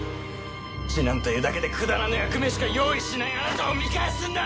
次男というだけでくだらぬ役目しか用意しないあなたを見返すんだ！